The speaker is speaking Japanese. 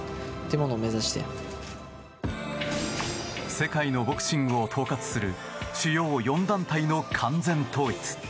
世界のボクシングを統括する主要４団体の完全統一。